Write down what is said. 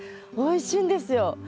おいしいんですよ。